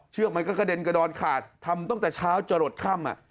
มันก็กระเด็นกระดอนขาดทำตั้งแต่เช้าจะหลดค่ำ